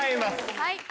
はい。